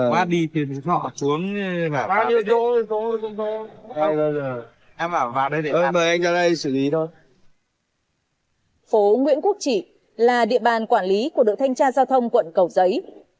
mặc dù lực lượng thanh tra giao thông của đội thanh tra giao thông quận cầu giấy